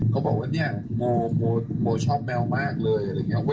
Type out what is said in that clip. เขาบอกว่าเนี่ยโมชอบแมวมากเลยอะไรอย่างนี้